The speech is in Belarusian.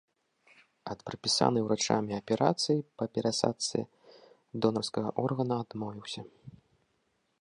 Ад прадпісанай урачамі аперацыі па перасадцы донарскага органа адмовіўся.